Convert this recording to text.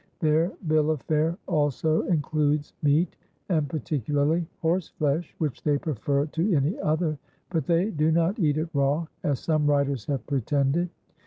Their bill of fare also includes meat, and particularly horse flesh, which they prefer to any other, but they do not eat it raw, as some writers have pretended.